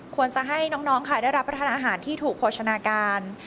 ควรจะให้น้องค่ะได้รับประทานอาหารที่ถูกโภชนาการ